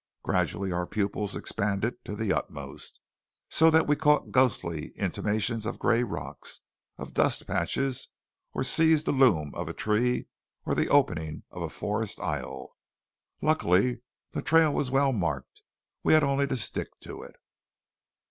Gradually our pupils expanded to the utmost, so that we caught ghostly intimations of gray rocks, of dust patches, or seized the loom of a tree or the opening of a forest aisle. Luckily the trail was well marked. We had only to stick to it.